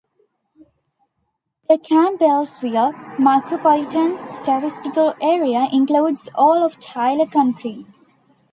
The Campbellsville Micropolitan Statistical Area includes all of Taylor County.